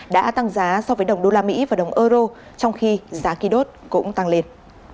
đã tăng giá so với đồng usd và đồng eur trong khi giá khí đốt cũng tăng lên